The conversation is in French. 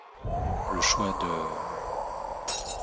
Le Choix de...